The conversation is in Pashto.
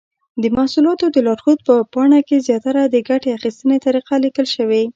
د محصولاتو د لارښود په پاڼه کې زیاتره د ګټې اخیستنې طریقه لیکل شوې.